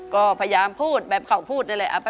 ก็พยายามพูดแบบเขาพูดได้เลย